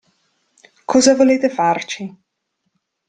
Cosa volete farci?